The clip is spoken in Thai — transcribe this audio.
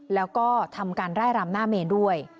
แล้วก็ทำการไล่รำหน้าเมนด้วย